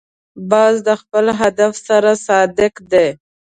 باز د خپل هدف سره صادق دی